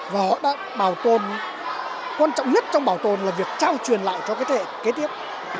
và họ đã bảo tồn quan trọng nhất trong bảo tồn là việc trao truyền lại cho cái thế kế tiếp